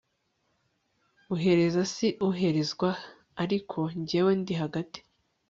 uhereza Si uherezwa Ariko jyewe ndi hagati